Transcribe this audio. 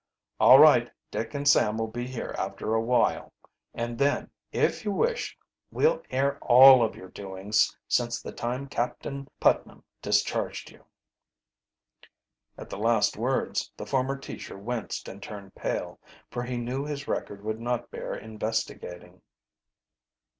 "All right, Dick and Sam will be here after awhile. And then, if you wish, we'll air all of your doings since the time Captain Putnam discharged you." At the last words the former teacher winced and turned pale, for he knew his record would not bear investigating.